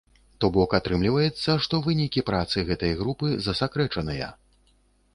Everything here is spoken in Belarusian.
То бок атрымліваецца, што вынікі працы гэтай групы засакрэчаныя.